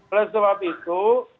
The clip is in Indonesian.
oleh sebab itu